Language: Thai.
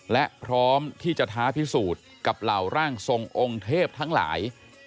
และพร้อมที่จะท้าพิสูจน์กับเหล่าร่างทรงองค์เทพทั้งหลาย